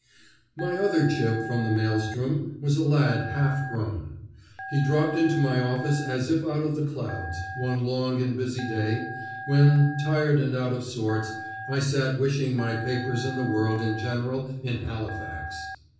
My other chip from the maelstrom was a lad half grown. He dropped into my office as if out of the clouds, one long and busy day, when, tired and out of sorts, I sat wishing my papers and the world in general in Halifax.